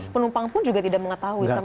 penumpang pun juga tidak mengetahui sama sekali